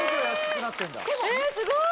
えすごい！